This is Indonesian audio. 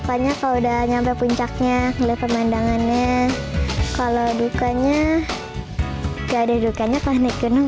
apanya kalau sudah sampai puncaknya ngeliat pemandangannya kalau dukanya gak ada dukanya kalau naik gunung